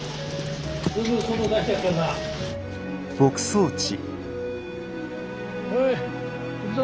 すぐ外出してやっからな。ほい行くぞ。